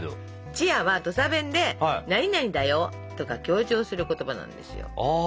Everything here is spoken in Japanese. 「ちや」は土佐弁で「なになにだよ」とか強調する言葉なんですよ。